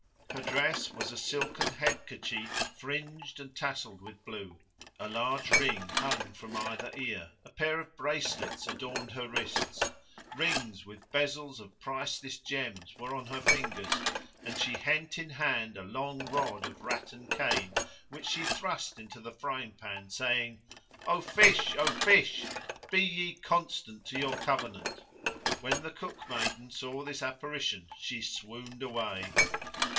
[FN#106] Her dress was a silken head kerchief fringed and tasseled with blue: a large ring hung from either ear; a pair of bracelets adorned her wrists; rings with bezels of priceless gems were on her fingers; and she hent in hand a long rod of rattan cane which she thrust into the frying pan, saying, "O fish! O fish! be ye constant to your covenant?" When the cookmaiden saw this apparition she swooned away.